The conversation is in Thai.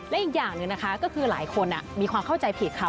และอีกอย่างหนึ่งนะคะก็คือหลายคนมีความเข้าใจผิดค่ะ